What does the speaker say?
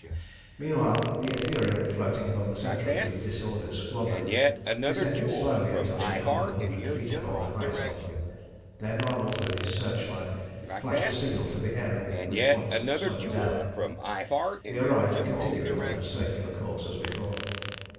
Meanwhile the Ithuriel, floating above the centre of the disordered squadron, descended slowly until she hung a hundred feet above the highest of them. Then Arnold with his searchlight flashed a signal to the Ariel which at once slowed down, the Orion continuing on her circular course as before.